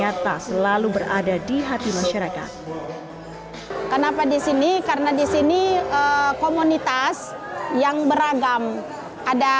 ternyata selalu berada di hati masyarakat kenapa disini karena disini komunitas yang beragam ada